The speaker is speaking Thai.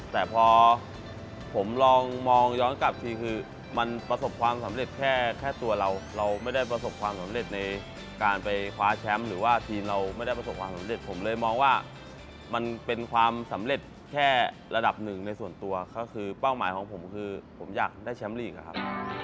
แต่พอผมลองมองย้อนกลับทีคือมันประสบความสำเร็จแค่ตัวเราเราไม่ได้ประสบความสำเร็จในการไปคว้าแชมป์หรือว่าทีมเราไม่ได้ประสบความสำเร็จผมเลยมองว่ามันเป็นความสำเร็จแค่ระดับหนึ่งในส่วนตัวก็คือเป้าหมายของผมคือผมอยากได้แชมป์ลีกอะครับ